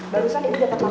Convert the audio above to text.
barusan ini dapat nonton